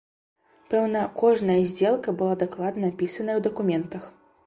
Пэўна, кожная здзелка была дакладна апісаная ў дакументах.